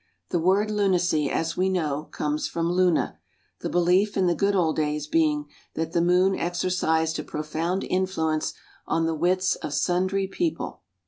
The word "lunacy," as we know, comes from "luna," the belief in the good old days being that the moon exercised a profound influence on the wits of sundry people.